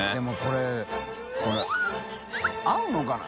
任これ合うのかな？